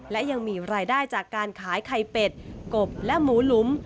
และยังมีรายได้จากการขายไข่เป็ดกบและหมูหลุม